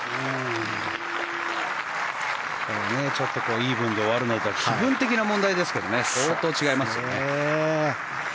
イーブンで終わるのとでは気分的な問題ですけど相当違いますからね。